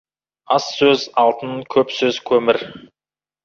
Аз сөз — алтын, көп сөз — көмір.